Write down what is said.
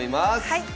はい。